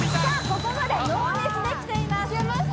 ここまでノーミスできていますいきます？